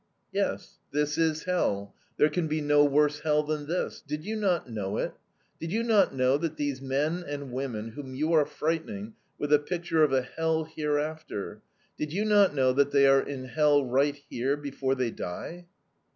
"'Yes, this is hell. There can be no worse hell than this. Did you not know it? Did you not know that these men and women whom you are frightening with the picture of a hell hereafter did you not know that they are in hell right here, before they die?'"